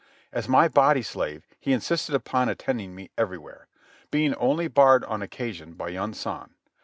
As my body slave he insisted upon attending me everywhere; being only barred on occasion by Yunsan.